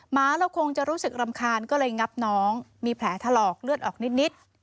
หมาเราคงจะรู้สึกรำคาญก็เลยงับน้องมีแผลถลอกเลือดออกนิด